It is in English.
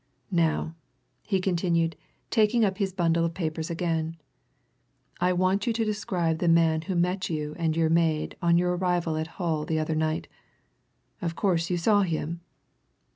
Now," he continued, taking up his bundle of papers again, "I want you to describe the man who met you and your maid on your arrival at Hull the other night. Of course you saw him?"